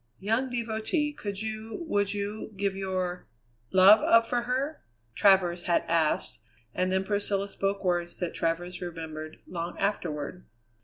"Young devotee, could you, would you, give your love up for her?" Travers had asked, and then Priscilla spoke words that Travers remembered long afterward.